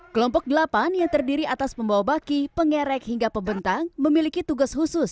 kelompok delapan yang terdiri atas pembawa baki pengerek hingga pembentang memiliki tugas khusus